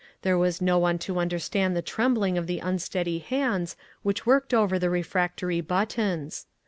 There was no one to understand the trembling of the unsteady hands which worked over the refractory buttons.